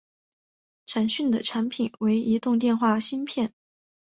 展讯的产品为移动电话芯片。